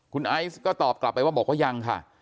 คุณไอซ์ก็ตอบกลับไปว่าบอกว่ายังค่ะ